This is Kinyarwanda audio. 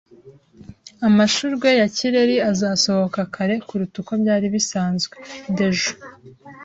Amashurwe ya kireri azasohoka kare kuruta uko byari bisanzwe. (Dejo)